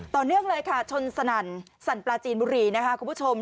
ต่อเนื่องเลยค่ะชนสนั่นสั่นปลาจีนบุรีนะคะคุณผู้ชม